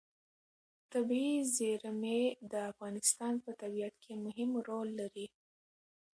طبیعي زیرمې د افغانستان په طبیعت کې مهم رول لري.